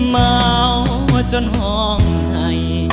เมาจนห่องไห้